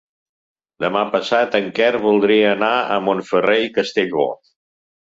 Demà passat en Quer voldria anar a Montferrer i Castellbò.